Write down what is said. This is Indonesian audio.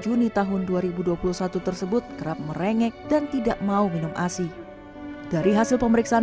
juni tahun dua ribu dua puluh satu tersebut kerap merengek dan tidak mau minum asi dari hasil pemeriksaan